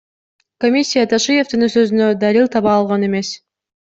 Комиссия Ташиевдин сөзүнө далил таба алган эмес.